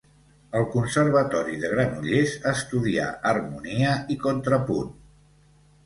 Al Conservatori de Granollers estudià harmonia i contrapunt.